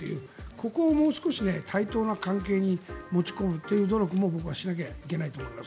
ここをもう少し対等な関係に持ち込むという努力も僕はしないといけないと思います。